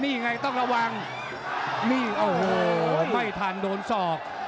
นี่ไงต้องระวังนี่โอ้โหไม่ทันโดนศอก